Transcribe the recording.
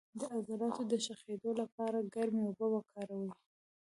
د عضلاتو د شخیدو لپاره ګرمې اوبه وکاروئ